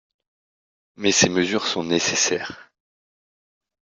Mais ces mesures sont nécessaires.